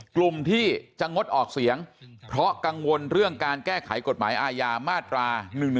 กลุ่มที่จะงดออกเสียงเพราะกังวลเรื่องการแก้ไขกฎหมายอาญามาตรา๑๑๒